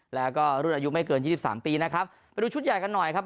แล้วก็รุ่นอายุไม่เกินยี่สิบสามปีนะครับไปดูชุดใหญ่กันหน่อยครับ